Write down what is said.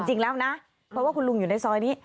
จริงแล้วนะเพราะว่าคุณลุงอยู่ในซอยนี้